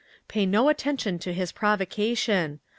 Pay no attention to his provocation!